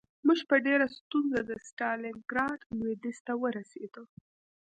موږ په ډېره ستونزه د ستالینګراډ لویدیځ ته ورسېدو